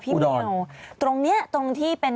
ปรากฏว่า